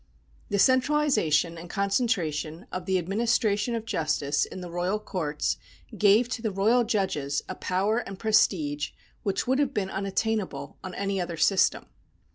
The centralization and concen tration of the administration of justice in the royal courts gave to the royal judges a power and prestige which would have been unattainable on any other system.